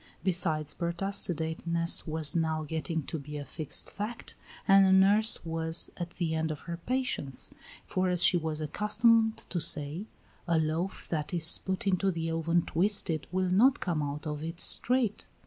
Besides, Berta's sedateness was now getting to be a fixed fact, and the nurse was at the end of her patience; for as she was accustomed to say, "A loaf that is put into the oven twisted will not come out of it straight."